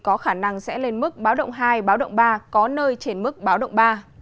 có khả năng sẽ lên mức báo động hai báo động ba